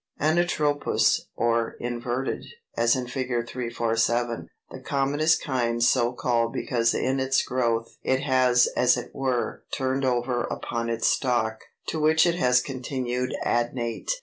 ] Anatropous or Inverted, as in Fig. 347, the commonest kind, so called because in its growth it has as it were turned over upon its stalk, to which it has continued adnate.